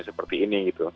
seperti ini gitu